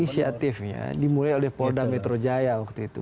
inisiatifnya dimulai oleh polda metro jaya waktu itu